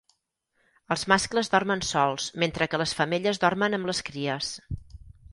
Els mascles dormen sols, mentre que les femelles dormen amb les cries.